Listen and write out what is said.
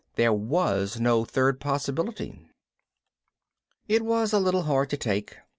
There was no third possibility. It was a little hard to take.